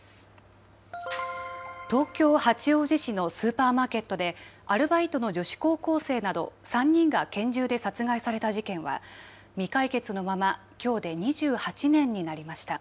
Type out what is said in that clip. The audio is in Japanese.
東京・八王子市のスーパーマーケットで、アルバイトの女子高校生など３人が拳銃で殺害された事件は、未解決のまま、きょうで２８年になりました。